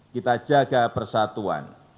kita jaga persatuan